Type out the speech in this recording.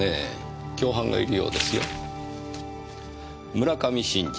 村上真治。